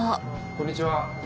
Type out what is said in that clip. こんにちは。